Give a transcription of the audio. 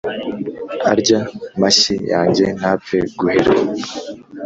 Arya mashyi yanjye ntapfe guhera